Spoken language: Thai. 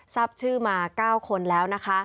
ทรัพย์ชื่อมา๙คนแล้ว